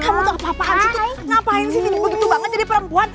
kamu tuh apa apaan gitu loh ngapain sih begitu banget jadi perempuan